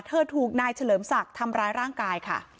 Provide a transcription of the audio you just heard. ถูกนายเฉลิมศักดิ์ทำร้ายร่างกายค่ะ